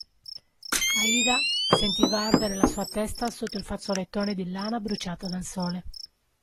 Aida sentiva ardere la sua testa sotto il fazzolettone di lana bruciata dal sole.